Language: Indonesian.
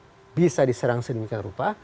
kalau otoritas mui bisa diserang sedemikian rupa